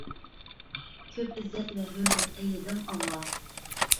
كۆپ ئىززەت ۋە ھۆرمەت ئەيلىدىڭ ئاڭا.